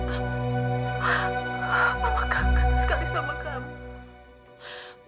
mama kaget sekali sama kamu